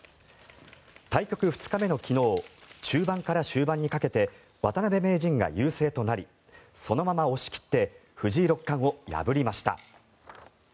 対局２日目の昨日中盤から終盤にかけて渡辺名人が優勢となりそのまま押し切って藤井六冠を破りました。